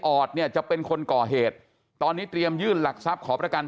อดเนี่ยจะเป็นคนก่อเหตุตอนนี้เตรียมยื่นหลักทรัพย์ขอประกัน